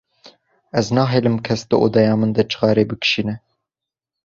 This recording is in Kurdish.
Ez nahêlim kes di odeya min de çixareyê bikişîne.